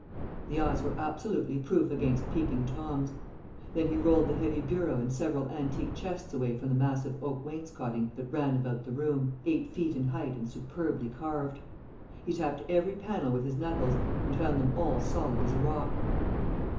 The eyes were absolutely proof against peeping Toms. Then he rolled the heavy bureau and several antique chests away from the massive oak wainscoting that ran about the room, eight feet in height and superbly carved. He tapped every panel with his knuckles, and found them all solid as a rock.